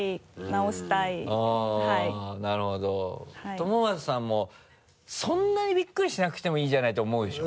朝将さんもそんなにビックリしなくてもいいじゃないって思うでしょ？